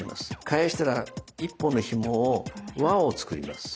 返したら１本のひもを輪を作ります。